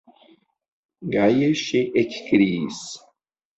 Gaje ŝi ekkriis: